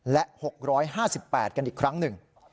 และ๖๕๘กันอีกครั้งหนึ่ง